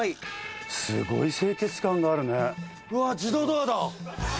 すごい清潔感があるね。